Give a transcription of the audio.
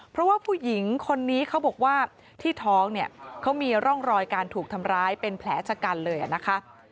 เพราะว่าผู้หญิงคนนี้เขาบอกว่าที่ท้องเนี่ยเขามีร่องรอยการถูกทำร้ายเป็นแผลชะกันเลยนะคะ